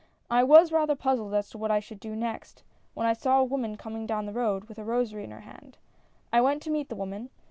I was rather puzzled as to what I should do next, when I saw a woman coming down the road, with a rosary in her hand. I went to meet the woman.